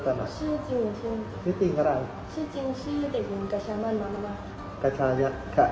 ชื่อจริงชื่อจริงชื่อจริงชื่อจริงกระชามันมามาก